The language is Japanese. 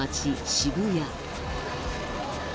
渋谷